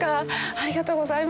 ありがとうございます。